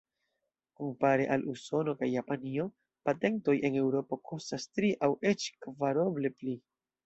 Kompare al Usono kaj Japanio, patentoj en Eŭropo kostas tri aŭ eĉ kvaroble pli.